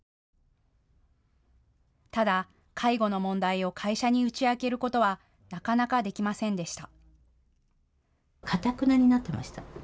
ただ、介護の問題を会社に打ち明けることはなかなかできませんでした。